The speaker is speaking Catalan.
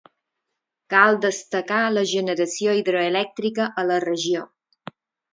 Cal destacar la generació hidroelèctrica a la regió.